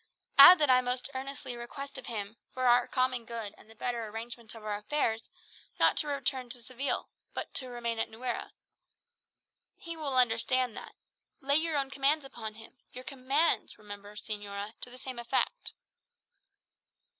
Add that I most earnestly request of him, for our common good and the better arrangement of our affairs, not to return to Seville, but to remain at Nuera. He will understand that. Lay your own commands upon him your commands, remember, señora to the same effect."